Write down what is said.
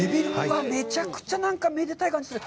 めちゃくちゃめでたい感じする。